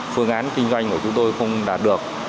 phương án kinh doanh của chúng tôi không đạt được